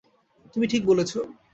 তুমি ঠিক বলেছ।